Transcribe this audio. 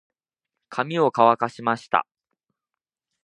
髪を乾かしました。